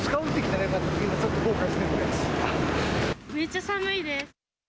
めっちゃ寒いです。